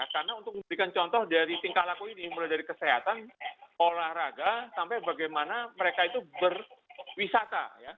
karena untuk memberikan contoh dari tingkah laku ini mulai dari kesehatan olahraga sampai bagaimana mereka itu berwisata